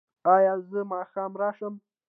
ایا زه ماښام راشم؟